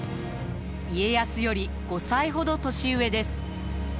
家康より５歳ほど年上です。